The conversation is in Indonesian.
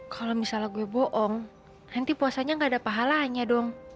kalau misalnya gue bohong nanti puasanya gak ada pahalanya dong